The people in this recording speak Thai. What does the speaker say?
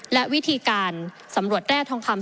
และวิธีการสำรวจแร่ทองคำ